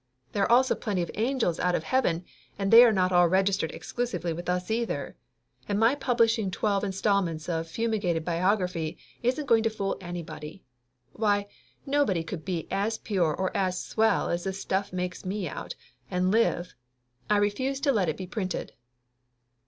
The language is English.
There are also plenty of angels out of heaven, and they are not all registered exclusively with us, either. And my publishing twelve installments of fumigated biography isn't going to fool anybody. Why, nobody could be as pure or as swell as this stuff makes me out, and live! I refuse to let it be printed."